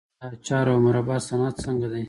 د اچار او مربا صنعت څنګه دی؟